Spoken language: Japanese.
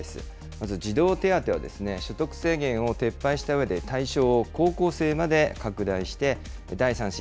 まず児童手当は、所得制限を撤廃したうえで、対象を高校生まで拡大して、第３子、